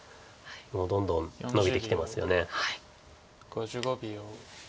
５５秒。